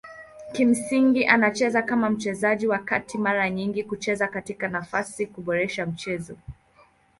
Kimsingi anacheza kama mchezaji wa kati mara nyingi kucheza katika nafasi kuboresha mchezo.